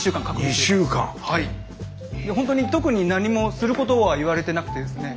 ほんとに特に何もすることは言われてなくてですね